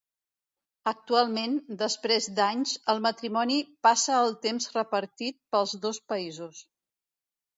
Actualment, després d'anys, el matrimoni passa el temps repartit pels dos països.